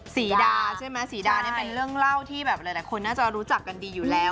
สีดาใช่ไหมศรีดานี่เป็นเรื่องเล่าที่แบบหลายคนน่าจะรู้จักกันดีอยู่แล้ว